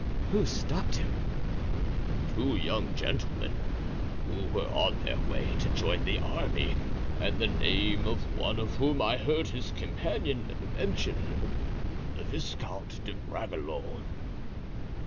"Who stopped him?" "Two young gentlemen, who were on their way to join the army and the name of one of whom I heard his companion mention—the Viscount de Bragelonne."